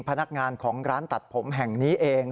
พนักงานของร้านตัดผมแห่งนี้เอง